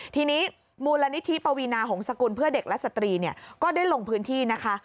ทีนี้มูลนิธิปวีนาหงษกุลเพื่อเด็กและสตรีก็ได้ลงพื้นที่นะคะ